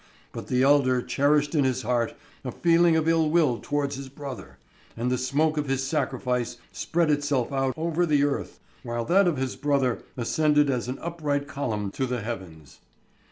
But the elder cherished in his heart a feeling of ill will towards his brother, and the smoke of his sacrifice spread itself out over the earth, while that of his brother ascended as an upright column to the heavens.